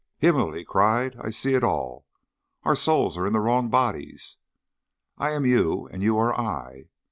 "Himmel!" he cried, "I see it all. Our souls are in the wrong bodies. I am you and you are I.